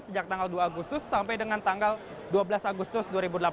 sejak tanggal dua agustus sampai dengan tanggal dua belas agustus dua ribu delapan belas